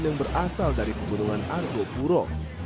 yang berasal dari pegunungan argo puro